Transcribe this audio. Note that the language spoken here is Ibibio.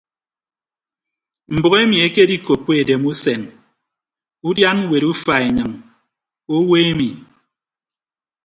Mbʌk emi ekedikoppo edemusen udian ñwet ufa enyịñ owo emi.